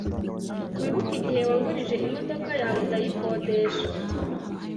wibuke igihe wangurije imodoka yawe ndayikodesha